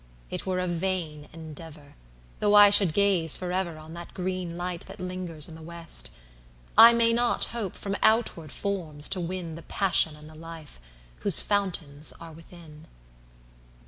It were a vain endeavour, Though I should gaze for everOn that green light that lingers in the west;I may not hope from outward forms to winThe passion and the life, whose fountains are within.